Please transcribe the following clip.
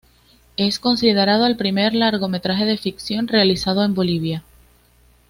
Es considerado el primer largometraje de ficción realizado en Bolivia.